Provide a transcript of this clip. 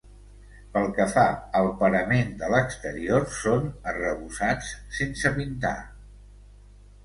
Pel que fa al parament de l'exterior són arrebossats sense pintar.